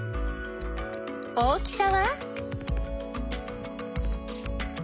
大きさは？